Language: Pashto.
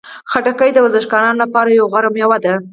خټکی د ورزشکارانو لپاره یوه غوره میوه ده.